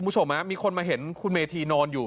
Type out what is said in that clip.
คุณผู้ชมมีคนมาเห็นคุณเมธีนอนอยู่